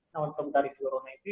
nah untuk dari flurona itu